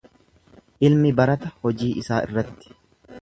Ilmi barata hojii isaa irratti.